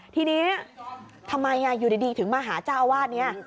ทีนี้ทำไมอยู่ดีถึงมาหาเจ้าอาวาสนี้